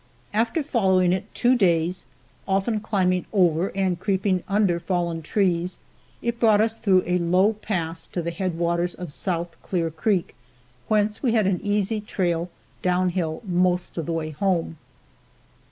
After following it two days, often climbing over and creeping under fallen trees, it brought us through a low pass to the head waters of South Clear creek, whence we had an easy trail down hill most of the way home.